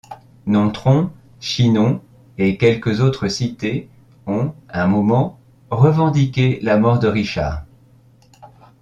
Nontron, Chinon et quelques autres cités ont, un moment, revendiqué la mort de Richard.